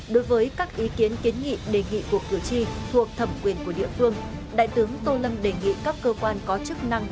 đối với các ý kiến kiến nghị đề nghị của cử tri thuộc thẩm quyền của địa phương đại tướng tô lâm đề nghị các cơ quan có chức năng